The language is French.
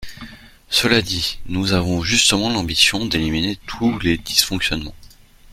Cela dit, nous avons justement l’ambition d’éliminer tous les dysfonctionnements.